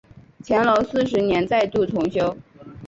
乾隆四十年再度重修。